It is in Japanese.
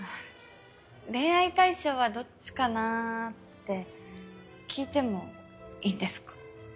恋愛対象はどっちかなって聞いてもいいですか？